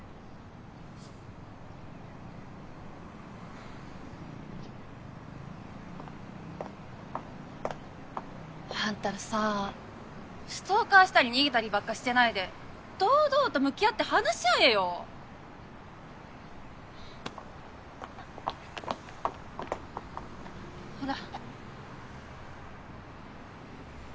はぁ。あんたらさストーカーしたり逃げたりばっかしてないで堂々と向き合って話し合えよ！ほら。